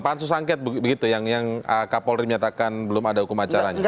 pansus angket begitu yang kapolri menyatakan belum ada hukum acaranya